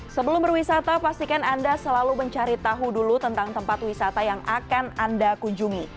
sebelum berwisata pastikan anda selalu mencari tahu dulu tentang tempat wisata yang akan anda kunjungi